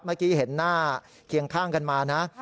เมื่อกี้เห็นหน้าเคียงข้างกันมานะ